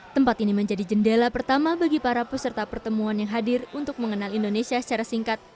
tempat ini menjadi jendela pertama bagi para peserta pertemuan yang hadir untuk mengenal indonesia secara singkat